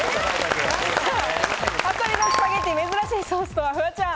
アサリのスパゲッティ、珍しいソースとはフワちゃん。